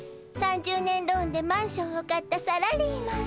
３０年ローンでマンションを買ったサラリーマン。